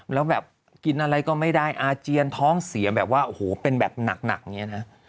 แล้วแบบกินอะไรก็ไม่ได้อาเจียนท้องเสียแบบว่าโอ้โหเป็นแบบหนักอย่างนี้นะ